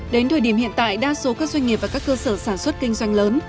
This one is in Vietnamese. đến thời điểm hiện tại đa số các doanh nghiệp và các cơ sở sản xuất kinh doanh lớn